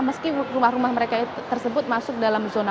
meski rumah rumah mereka tersebut masuk dalam zona